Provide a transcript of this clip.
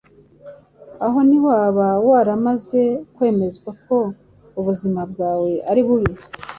Aho ntiwaba waramaze kwemezwa ko ubuzima bwawe ari bubi